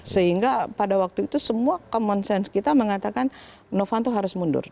sehingga pada waktu itu semua common sense kita mengatakan novanto harus mundur